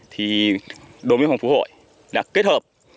thì đối với phòng phủ hội đã kết hợp